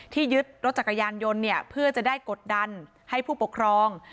ยึดรถจักรยานยนต์เนี่ยเพื่อจะได้กดดันให้ผู้ปกครอง